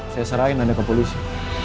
saya serahin anda ke polisi